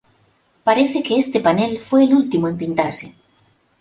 Parece que este panel fue el último en pintarse.